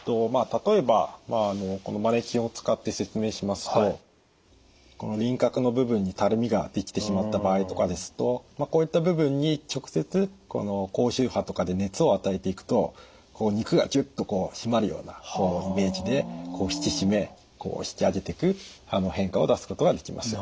例えばこのマネキンを使って説明しますとこの輪郭の部分にたるみができてしまった場合とかですとこういった部分に直接高周波とかで熱を与えていくと肉がギュッと締まるようなイメージで引き締め引き上げていく変化を出すことができます。